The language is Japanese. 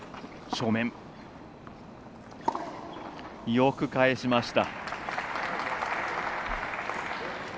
よく返しました。